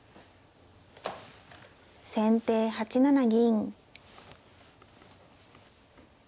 先手８七銀。